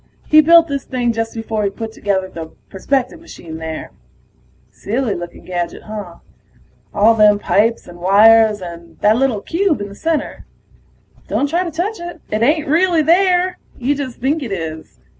He built this thing just before he put together the perspective machine there. Silly looking gadget, huh? All them pipes and wires and that little cube in the center ... don't try to touch it, it ain't really there. You just think it is.